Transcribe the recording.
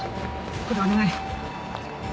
これお願い。